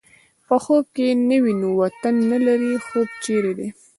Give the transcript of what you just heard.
په خوب يې نه وینو وطن نه لرې خوب چېرې دی